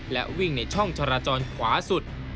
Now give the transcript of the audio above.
และวิ่งในช่องจราจรขวาสุด